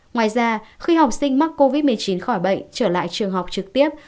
ngoài ra khi học sinh mắc covid một mươi chín khỏi bệnh trở lại trường học trực tiếp